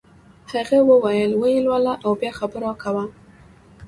هغه وویل ویې لوله او بیا خبره کوه.